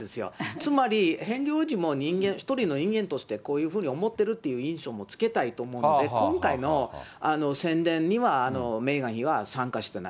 つまりヘンリー王子も一人の人間としてこういうふうに思ってるっていう印象もつけたいと思うんで、今回の宣伝には、メーガン妃は参加してない。